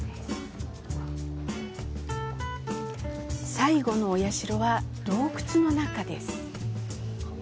最後のお社は洞窟の中。